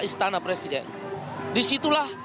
istana presiden disitulah